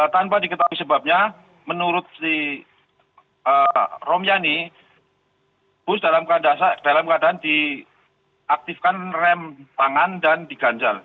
tanpa diketahui sebabnya menurut si romyani bus dalam keadaan diaktifkan rem tangan dan diganjal